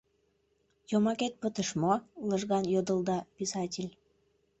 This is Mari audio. — Йомакет пытыш мо? — лыжган йодылда писатель.